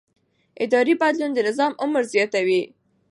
اداري بدلون د نظام عمر زیاتوي